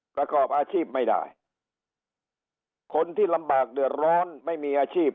ประกอบอาชีพไม่ได้คนที่ลำบากเดือดร้อนไม่มีอาชีพ